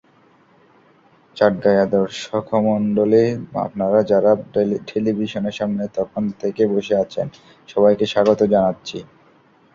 চাটগাঁইয়াদর্শখমণ্ডলী, আপনারা যাঁরা ঠেলিবিশনের সামনে তকন তেকে বসে আচেন, সবাইকে স্বাগত জানাচ্চি।